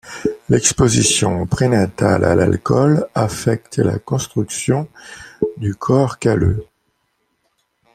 L'exposition prénatale à l'alcool affecte la construction du corps calleux.